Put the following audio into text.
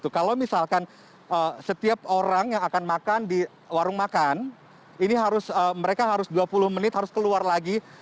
kalau misalkan setiap orang yang akan makan di warung makan mereka harus dua puluh menit harus keluar lagi